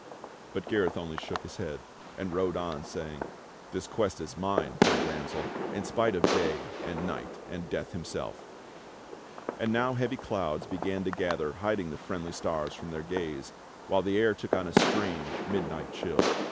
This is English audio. But Gareth only shook his head, and rode on saying: "This quest is mine. Fair Damsel, in spite of Day and Night and Death himself." And now heavy clouds began to gather hiding the friendly stars from their gaze, while the air took on a strange, midnight chill.